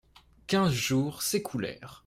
Quinze jours s'écoulèrent.